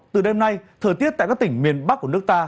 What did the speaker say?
từ đêm nay thời tiết tại các tỉnh miền bắc của nước ta